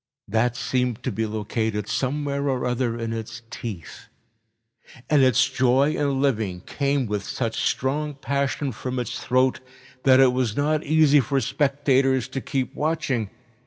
That seem to be located somewhere or other in its teeth, and its joy in living came with such strong passion from its throat that it was not easy for spectators to keep watching.